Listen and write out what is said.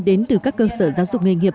đến từ các cơ sở giáo dục nghề nghiệp